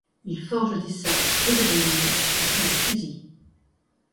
Ils forgent des sabres et des baïonnettes et font des fusils.